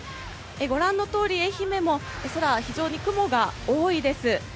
ご覧のとおり愛媛も空は非常に雲が多いです。